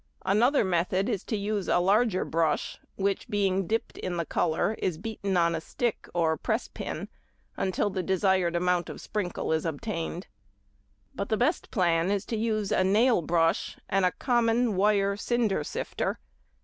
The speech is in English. Another method is to use a larger brush, which being dipped in the colour is beaten on a stick or press pin until the desired amount of sprinkle is obtained. But the best plan is to use a nail brush and a common wire cinder sifter.